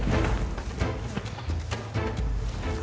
kalo dia udah bilang